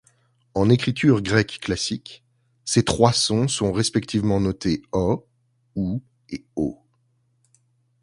En écriture grecque classique, ces trois sons sont respectivement notés Ο, ΟΥ et Ω.